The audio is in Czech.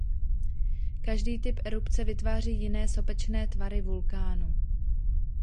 Každý typ erupce vytváří jiné sopečné tvary vulkánu.